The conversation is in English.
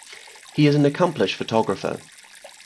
He is an accomplished photographer.